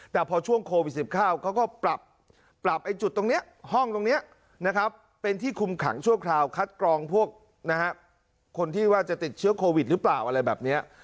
แต่พอช่วงโควิด๑๙เขาก็ปรับจุดตรงนี้ห้องตรงนี้นะครับเป็นที่คุมขังชั่วคราวคัดกรองพวกคนที่ว่าจะติดเชื้อโควิดหรือเปล่าอะไรแบบนี้